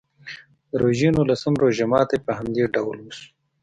د روژې نولسم روژه ماتي په همدې ډول وشو.